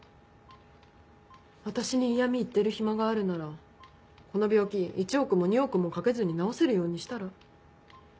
私に嫌み言ってる暇があるならこの病気１億も２億もかけずに治せるようにしたら？